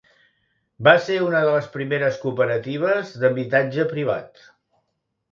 Va ser una de les primeres cooperatives d'habitatge privat.